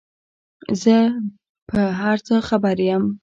زه په هر څه خبر یم ،